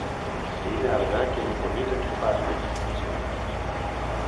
Είναι αργά και με πονεί το κεφάλι.